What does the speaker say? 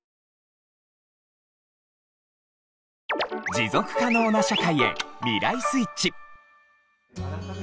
持続可能な社会へ「未来スイッチ」！